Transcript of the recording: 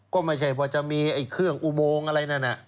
ก็ไม่ใช่ว่าจะมีเครื่องอุโมงอะไรนั่นน่ะ